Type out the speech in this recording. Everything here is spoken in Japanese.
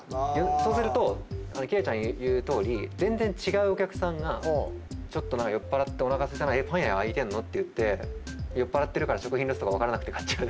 そうすると輝星ちゃん言うとおり全然違うお客さんがちょっと酔っ払っておなかすいたなパン屋開いてんの？って言って酔っ払ってるから食品ロスとか分からなくて買っちゃうとか。